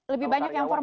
lebih banyak yang formal